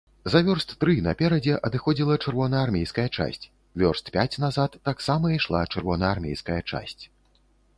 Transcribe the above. За вёрст тры наперадзе адыходзіла чырвонаармейская часць, вёрст пяць назад таксама ішла чырвонаармейская часць.